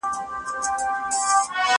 زه اوس کتابونه ليکم،،